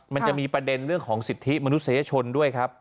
มันจะมีประเด็นเรื่องของสิทธิมนุษยชนด้วยครับ